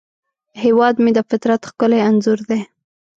هیواد مې د فطرت ښکلی انځور دی